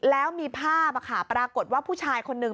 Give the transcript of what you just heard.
แล้วมีภาพปรากฏว่าผู้ชายคนนึง